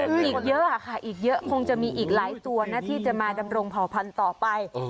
อีกเยอะค่ะอีกเยอะคงจะมีอีกหลายตัวที่มาตรงภาวภัณฑ์ต่อไป